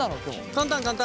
簡単簡単。